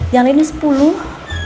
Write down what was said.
yang ini sepuluh